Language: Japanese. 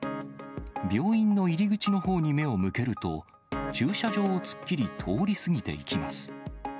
病院の入り口のほうに目を向けると、駐車場を突っ切り、通り過ぎていきます。